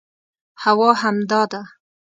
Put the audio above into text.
هو همدا ده